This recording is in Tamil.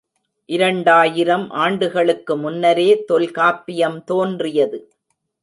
இரண்டாயிரம் ஆண்டுகளுக்கு முன்னரே தொல்காப்பியம் தோன்றியது.